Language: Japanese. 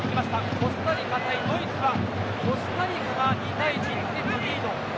コスタリカ対ドイツはコスタリカが２対１１点のリード。